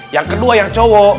yang kedua yang cowok